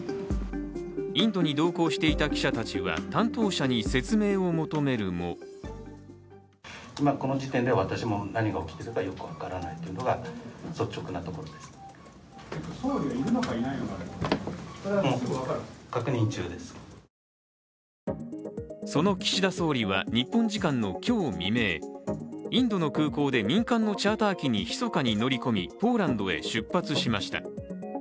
インドに同行していた記者たちは担当者に説明を求めるもその岸田総理は日本時間の今日未明、インドの空港で民間のチャーター機にひそかに乗り込みポーランドへ出発しました。